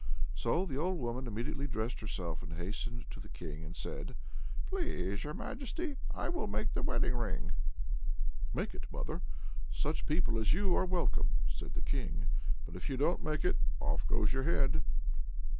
So the old woman immediately dressed herself, and hastened to the King, and said: "Please, your Majesty, I will make the wedding ring." "Make it, then, make it, mother! Such people as you are welcome," said the king. "But if you don't make it, off goes your head!"